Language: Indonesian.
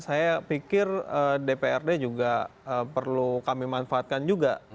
saya pikir dprd juga perlu kami manfaatkan juga